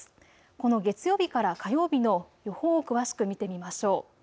この月曜日から火曜日の予報を詳しく見てみましょう。